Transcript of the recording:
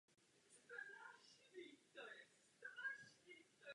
V případě této zprávy byla dosažena široká shoda.